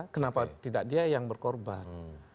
kenapa tidak dia yang berkorban